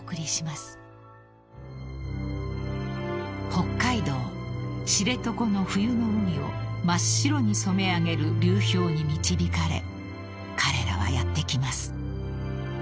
［北海道知床の冬の海を真っ白に染め上げる流氷に導かれ彼らはやって来ます］